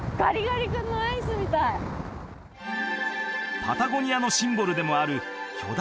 パタゴニアのシンボルでもある巨大